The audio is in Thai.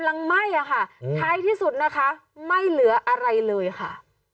ไหม้อะค่ะท้ายที่สุดนะคะไม่เหลืออะไรเลยค่ะ